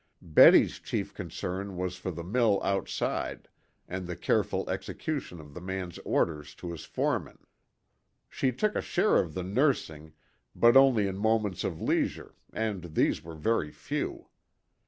Betty's chief concern was for the mill outside, and the careful execution of the man's orders to his foremen. She took a share of the nursing, but only in moments of leisure, and these were very few.